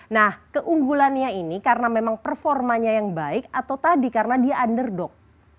nah keunggulannya ini karena memang performanya yang baik atau tadi karena dia underdog